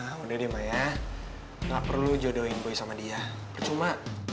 mah udah deh mah ya ga perlu jodohin boy sama dia percuma